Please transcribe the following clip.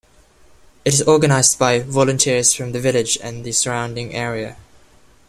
It is organised by volunteers from the village and the surrounding area.